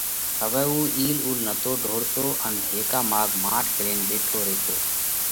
هوَئہ اُو اِيل اُول نتو ڍوڙتو اُو هيڪا ماڳ ماٺ ڪرينَ ٻيٺو ريتو۔